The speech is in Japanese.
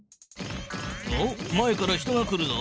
おっ前から人が来るぞ。